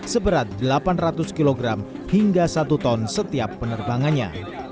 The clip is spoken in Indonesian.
seberat delapan ratus kg hingga satu ton setiap penerbangannya